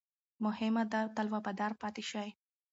مهمه ده، تل وفادار پاتې شئ.